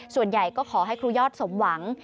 ส่วนใหญ่ก็ขอให้ครูยอดสมหวัง